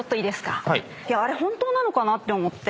あれ本当なのかなって思って。